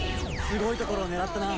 すごいところを狙ったな。